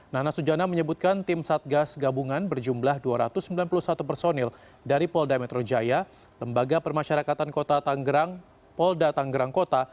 nana sujana menyebutkan tim satgas gabungan berjumlah dua ratus sembilan puluh satu personil dari polda metro jaya lembaga permasyarakatan kota tanggerang polda tanggerang kota